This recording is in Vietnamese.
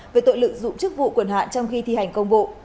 về tội lực dụng chức vụ quần hạn trong khi thi hành công vụ